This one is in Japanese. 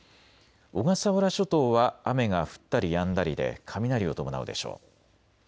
小笠原諸島は雨が降ったりやんだりで雷を伴うでしょう。